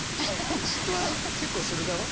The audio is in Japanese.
嫉妬は結構する側？